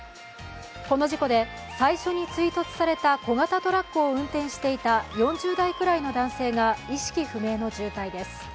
この事故で最初に追突された小型トラックを運転していた４０代くらいの男性が意識不明の重体です。